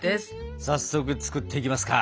早速作っていきますか！